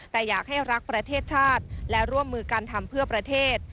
แต่อยากให้รักประเทศชาติและร่วมมือการทำเพื่อประเทศ